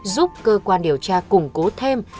giúp cơ quan điều tra củng cố thêm